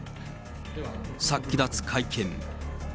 殺気立つ会見。